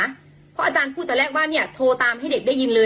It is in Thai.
เพราะอาจารย์พูดตอนแรกว่าเนี่ยโทรตามให้เด็กได้ยินเลย